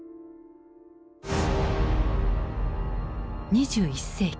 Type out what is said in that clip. ２１世紀。